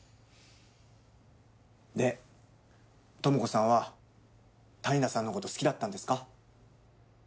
でともこさんは谷田さんのこと好きだったんですか？